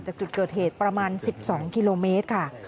จากจุดเกิดเหตุประมาณ๑๒กิโลเมตรค่ะ